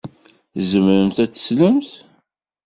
Tzemremt ad teslemt?